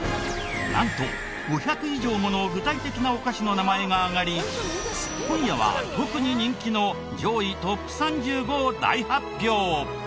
なんと５００以上もの具体的なお菓子の名前が挙がり今夜は特に人気の上位トップ３５を大発表。